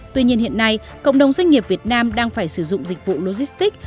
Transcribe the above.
tuy nhiên hiện nay cộng đồng doanh nghiệp việt nam đang phải sử dụng dịch vụ logistics